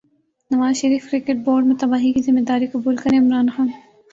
نواز Sharif cricket board میں تباہی کی ذمہ داری قبول کریں عمران خان